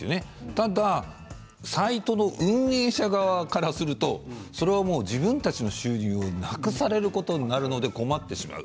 ただサイトの運営者側からするとそれは、もう自分たちの収入をなくされることになるので困ってしまう。